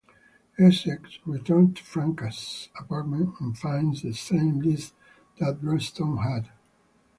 Essex returns to Francha's apartment and finds the same list that Redstone had.